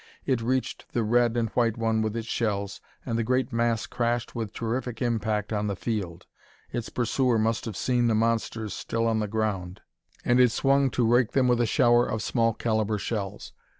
It reached the red and white one with its shells, and the great mass crashed with terrific impact on the field. Its pursuer must have seen the monsters still on the ground, and it swung to rake them with a shower of small caliber shells.